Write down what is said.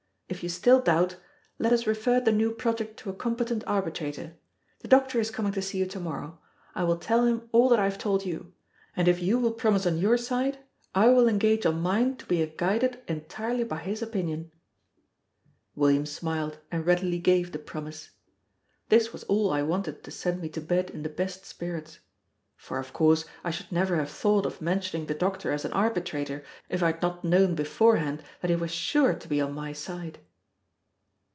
If you still doubt, let us refer the new project to a competent arbitrator. The doctor is coming to see you to morrow. I will tell him all that I have told you; and if you will promise on your side, I will engage on mine to be guided entirely by his opinion." William smiled, and readily gave the promise. This was all I wanted to send me to bed in the best spirits. For, of course, I should never have thought of mentioning the doctor as an arbitrator, if I had not known beforehand that he was sure to be on my side.